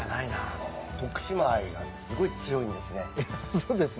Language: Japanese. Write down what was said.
そうですね。